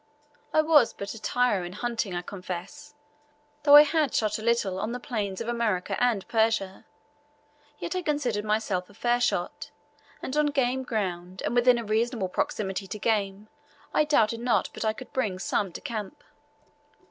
I was but a tyro in hunting, I confess, though I had shot a little on the plains of America and Persia; yet I considered myself a fair shot, and on game ground, and within a reasonable proximity to game, I doubted not but I could bring some to camp.